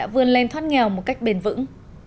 vươn lên thoát nghèo một cách bền vững